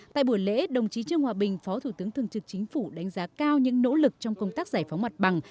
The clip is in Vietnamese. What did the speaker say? tại buổi lễ đồng chí trương hòa bình phó thủ tướng thường trực chính phủ đánh giá cao những nỗ lực trong công tác giải phóng mặt bằng